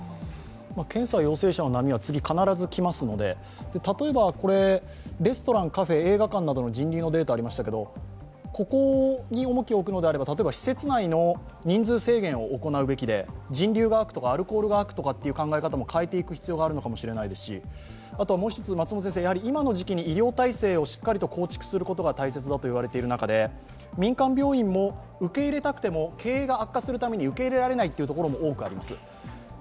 検査陽性者の波は次、必ず来ますので例えばレストラン、カフェ、映画館などの人流のデータがありましたけれども、ここに重きを置くのであれば例えば施設内の人数制限を行うべきで人流が悪とか、アルコールが悪という考え方も変えていく必要があるかもしれないですし、あとはもうひとつ、今の時期に医療体制をしっかり構築することが大事だといわれる中で民間病院も受け入れたくても、経営が悪化するために受け入れられないところも多くあります。